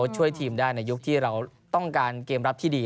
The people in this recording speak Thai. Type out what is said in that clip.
ช่วยทีมได้ในยุคที่เราต้องการเกมรับที่ดี